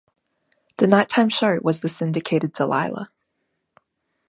The nighttime show was the syndicated Delilah.